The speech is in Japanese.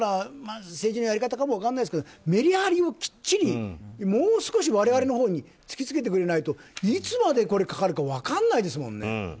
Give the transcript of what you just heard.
政治のやり方かも分からないですけどメリハリをきっちりもう少し我々のほうに突きつけてくれないといつまでかかるか分からないですもんね。